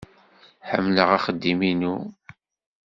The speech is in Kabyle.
Ḥemmleɣ axeddim-inu.